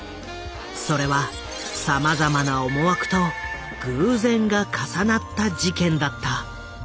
それはさまざまな思惑と偶然が重なった事件だった。